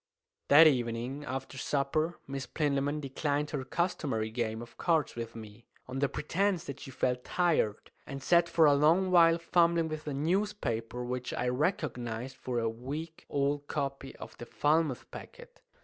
That evening, after supper, Miss Plinlimmon declined her customary game of cards with me, on the pretence that she felt tired, and sat for a long while fumbling with a newspaper, which I recognized for a week old copy of the "Falmouth Packet."